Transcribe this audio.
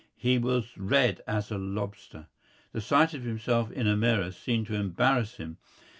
He was red as a lobster. The sight of himself in a mirror seemed to embarrass him.